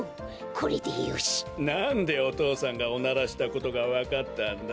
なんでお父さんがおならしたことがわかったんだ？